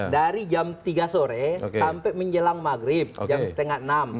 dari jam tiga sore sampai menjelang maghrib jam setengah enam